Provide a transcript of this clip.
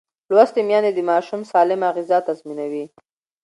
لوستې میندې د ماشوم سالمه غذا تضمینوي.